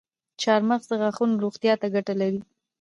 چارمغز د غاښونو روغتیا ته ګټه لري.